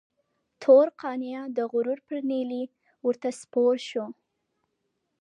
تور قانع د غرور پر نيلي ورته سپور شو.